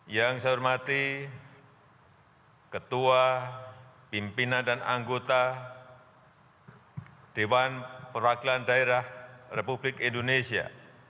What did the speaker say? yang saya hormati ketua pimpinan dan anggota dewan perwakilan daerah republik indonesia